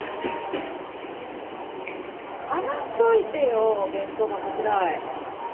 洗っといてよお弁当箱くらい。